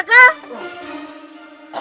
gua ngerjain dia